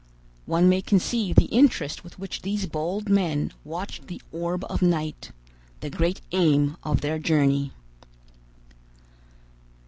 One may conceive the interest with which these bold men watched the orb of night, the great aim of their journey.